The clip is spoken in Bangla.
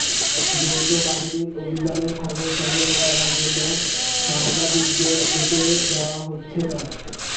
যৌথ বাহিনীর অভিযানের খবর সংগ্রহ করার জন্য সাংবাদিকদের যেতে দেওয়া হচ্ছে না।